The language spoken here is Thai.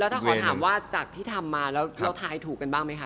ถ้าขอถามว่าจากที่ทำมาแล้วเราทายถูกกันบ้างไหมคะ